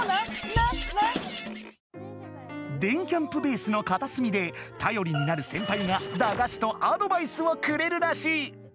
電キャんぷベースのかたすみでたよりになるセンパイが駄菓子とアドバイスをくれるらしい。